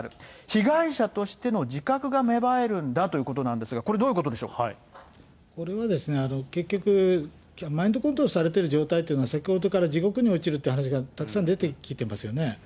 被害者としての自覚が芽生えるんだということなんですが、これ、これは結局、マインドコントロールされてる状態っていうのは、先ほどから地獄に落ちるという話がたくさん出てきてますよね。